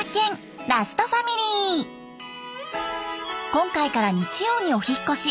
今回から日曜にお引っ越し！